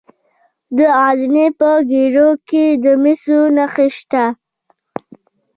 د غزني په ګیرو کې د مسو نښې شته.